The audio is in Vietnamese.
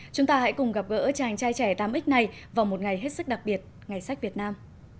chúng ta hãy cùng gặp gỡ chàng trai trẻ tám x này vào một ngày hết sức đặc biệt ngày sách việt nam